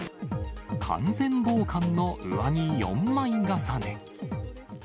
完全防寒の上着４枚重ね。